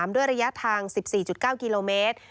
ด้วยระยะทาง๑๔๙กิโลเมตร